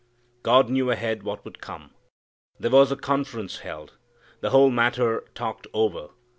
God knew ahead what would come. There was a conference held. The whole matter talked over.